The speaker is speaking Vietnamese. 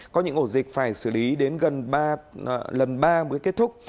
có những ổ dịch phải xử lý đến gần ba mới kết thúc